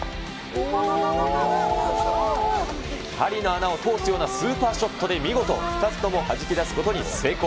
針の穴を通すようなスーパーショットで、見事、２つともはじき出すことに成功。